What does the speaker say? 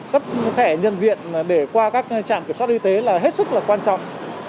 cấp thẻ nhân diện để qua các trạm kiểm soát y tế là hết sức là quan trọng